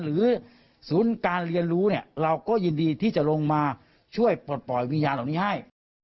หรือศูนย์การเรียนรู้เราก็ยินดีที่จะลงมาช่วยปลดปล่อยวิญญาณเหล่านี้ให้